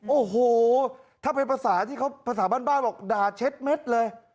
โอ้โหถ้าเป็นภาษาที่เขาภาษาบ้านบอกด่าเช็ดเม็ดเลย